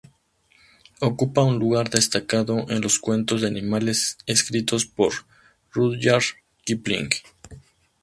Ocupa un lugar destacado en los cuentos de animales escritos por Rudyard Kipling.